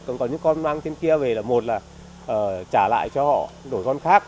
còn những con mang trên kia về là một là trả lại cho họ đổi con khác